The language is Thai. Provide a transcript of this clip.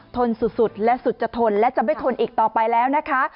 ทนสุดและสุดจะทนและจะไม่ทนอีกต่อไปแล้วนะคะ